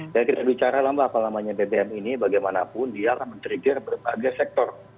dan kita bicara lama apa namanya bbm ini bagaimanapun dialah men trigger berbagai sektor